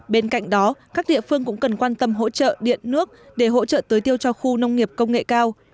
bên cạnh đó các địa phương cũng cần quan tâm hỗ trợ điện nước để hỗ trợ tưới tiêu cho khu nông nghiệp công nghệ cao